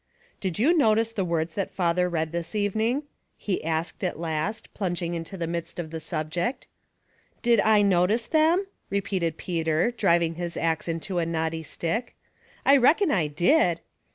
" Did you notice the words that father read this evening ?" he asked, at last, plunging into the midst of the subject. "Did I notice them?" repeated Peter, driv ing his axe into a knotty stick. " I reckon I did."